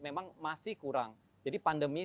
memang masih kurang jadi pandemi